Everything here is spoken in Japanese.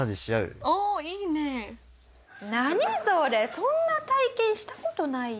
そんな体験した事ないよ。